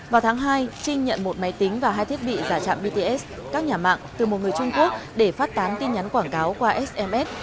vào tháng hai trinh nhận một máy tính và hai thiết bị giả trạm bts các nhà mạng từ một người trung quốc để phát tán tin nhắn quảng cáo qua sms